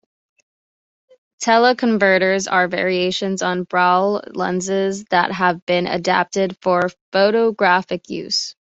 Teleconverters are variations on Barlow lenses that have been adapted for photographic use.